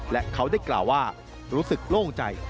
และเขาได้กล่าวว่ารู้สึกโล่งใจ